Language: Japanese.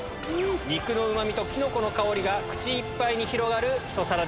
肉のうま味とキノコの香りが口いっぱいに広がるひと皿です。